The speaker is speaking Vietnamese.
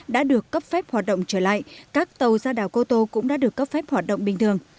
động trở lại các tàu ra đảo cô tô cũng đã được cấp phép hoạt động bình thường